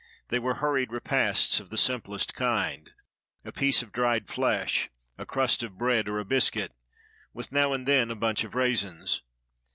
They were hurried repasts of the simplest kind — a piece of dried flesh, a crust of bread, or a biscuit, with now and then a bunch of raisins.